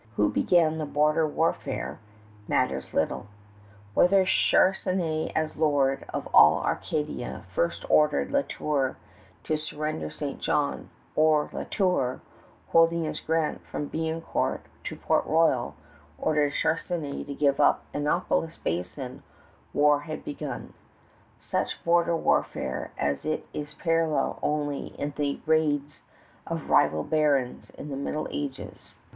Who began the border warfare matters little. Whether Charnisay as lord of all Acadia first ordered La Tour to surrender St. John, or La Tour, holding his grant from Biencourt to Port Royal, ordered Charnisay to give up Annapolis Basin, war had begun, such border warfare as has its parallel only in the raids of rival barons in the Middle Ages.